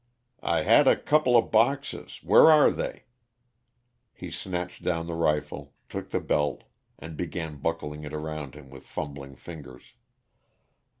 "I had a couple of boxes where are they?" He snatched down the rifle, took the belt, and began buckling it around him with fumbling fingers.